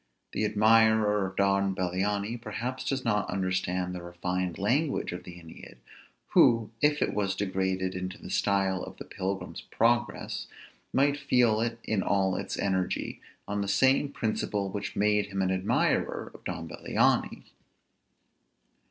The admirer of Don Bellianis perhaps does not understand the refined language of the Æneid, who, if it was degraded into the style of the "Pilgrim's Progress," might feel it in all its energy, on the same principle which made him an admirer of Don Bellianis.